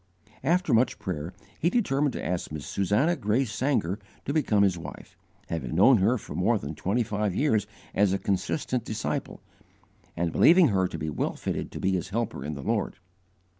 After much prayer, he determined to ask Miss Susannah Grace Sangar to become his wife, having known her for more than twenty five years as a consistent disciple, and believing her to be well fitted to be his helper in the Lord.